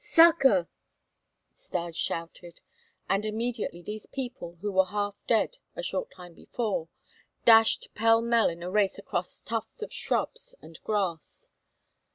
"Succor!" Stas shouted. And immediately these people, who were half dead a short time before, dashed pell mell in a race across tufts of shrubs and grass.